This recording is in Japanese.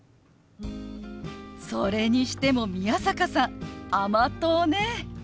それにしても宮坂さん甘党ね。